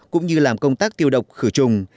cũng như làm công tác tiêu độc khử trùng